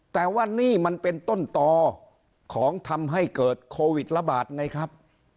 แต่ว่านี่มันเป็นต้นต่อของทำให้เกิดโควิดระบาดไงครับ